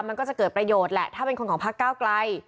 มันก็จะเกิดประโยชน์แหละถ้าเป็นคนของพักเก้าไกล